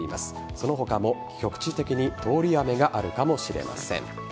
その他も、局地的に通り雨があるかもしれません。